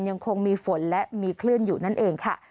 ยังคงมีฝนและมีคลื่นอยู่นั่นเองค่ะ